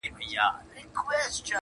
کتابونه یې په څنګ کي وه نیولي،